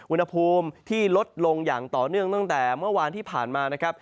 อุณหภูมิที่ลดลงอย่างต่อเนื่องตั้งแต่เมื่อวานที่ผ่านมานะครับ